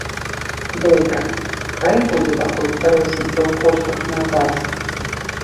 Добра, хай будзе пакуль розніца ў коштах на газ.